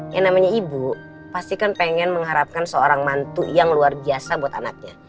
yang namanya ibu pasti kan pengen mengharapkan seorang mantu yang luar biasa buat anaknya